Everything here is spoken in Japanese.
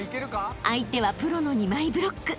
［相手はプロの２枚ブロック］